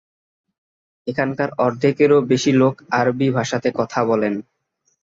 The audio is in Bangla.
এখানকার অর্ধেকেরও বেশি লোক আরবি ভাষাতে কথা বলেন।